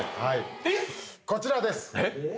こちらです。